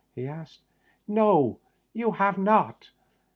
" he asked. " No ; you have not.